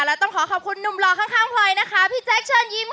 แล้วต้องขอขอบคุณหนุ่มหล่อข้างพลอยนะคะพี่แจ๊คเชิญยิ้มค่ะ